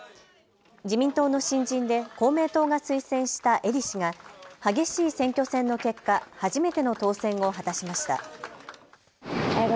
自民党の新人で公明党が推薦した英利氏が激しい選挙戦の結果、初めての当選を果たしました。